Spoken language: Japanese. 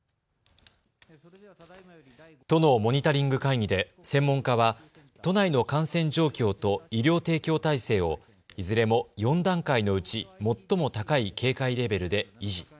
都のモニタリング会議で専門家は都内の感染状況と医療提供体制をいずれも４段階のうち最も高い警戒レベルで維持。